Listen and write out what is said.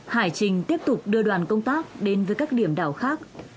hải trình tiếp tục đưa đoàn công tác đến với các điểm đảo khác